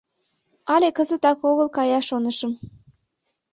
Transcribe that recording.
Але кызытак огыл кая, шонышым.